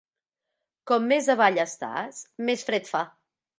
Com més avall estàs, més fred fa.